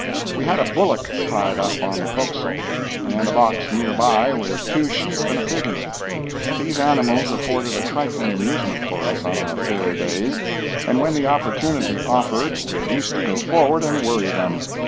We had a bullock tied up on the forecastle, and a box near by with two sheep and a pig in it. These animals afforded a trifling amusement for us on our fair days, and when the opportunity offered we used to go forward and worry them.